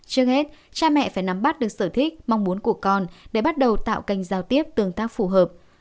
trước hết cha mẹ phải nắm bắt được sở thích mong muốn của con để bắt đầu tạo kênh giao tiếp tương tác phù hợp